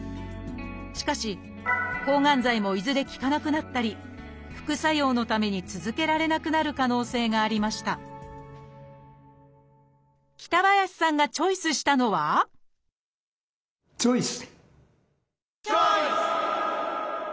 しかし抗がん剤もいずれ効かなくなったり副作用のために続けられなくなる可能性がありました北林さんがチョイスしたのはチョイス！